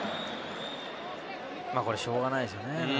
これはしょうがないですよね。